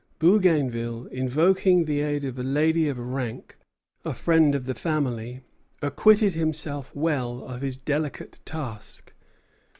Bougainville, invoking the aid of a lady of rank, a friend of the family, acquitted himself well of his delicate task.